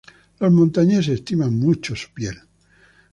Los montañeses estiman mucho su piel.